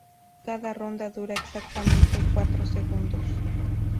Cada ronda dura exactamente cuatro segundos.